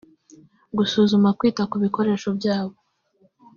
gusuzuma kwita ku bikoresho byabo